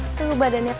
suhu badannya pas